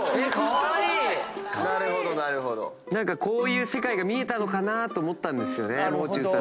こういう世界が見えたのかなと思ったんですよね。